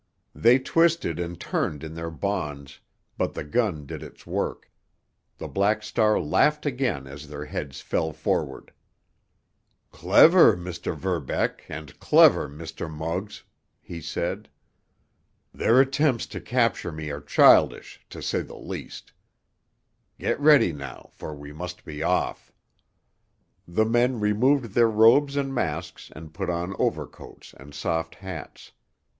They twisted and turned in their bonds, but the gun did its work; the Black Star laughed again as their heads fell forward. "Clever Mr. Verbeck and clever Mr. Muggs," he said. "Their attempts to capture me are childish, to say the least. Get ready now, for we must be off." The men removed their robes and masks and put on overcoats and soft hats.